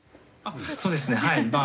あっそうですねはい。